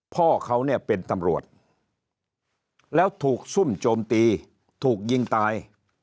พ่อเขาเนี่ยเป็นตำรวจแล้วถูกซุ่มโจมตีถูกยิงตาย